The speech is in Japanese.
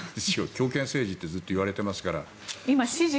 強権政治ってずっと言われていますから。